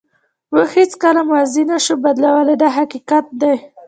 موږ هیڅکله ماضي نشو بدلولی دا حقیقت دی.